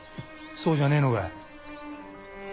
そうじゃねえのか。